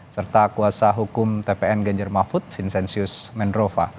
serta kuasa hukum tpn ganjar mahfud sinsentius mendrova